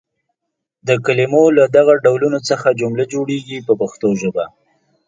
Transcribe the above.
د کلمو له دغو ډولونو څخه جمله جوړیږي په پښتو ژبه.